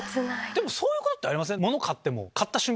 でもそういうことありません？